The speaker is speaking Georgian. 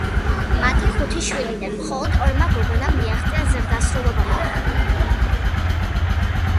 მათი ხუთი შვილიდან, მხოლოდ ორმა გოგონამ მიაღწია ზრდასრულობამდე.